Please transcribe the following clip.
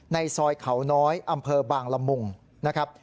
ในซอยเขาน้อยอำเภอบางละมุงนะครับ